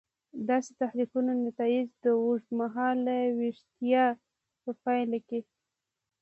داسې تحریکونو نتایج د اوږد مهاله ویښتیا په پایله کې.